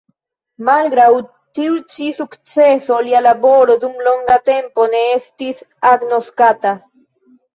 Malgraŭ tiu ĉi sukceso lia laboro dum longa tempo ne estis agnoskata.